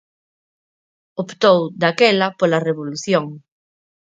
Optou, daquela, pola revolución.